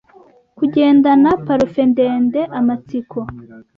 kugendana parufe ndende amatsiko